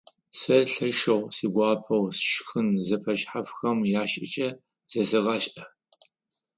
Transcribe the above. Сэ лъэшэу сигуапэу шхын зэфэшъхьафхэм яшӀыкӀэ зэсэгъашӀэ.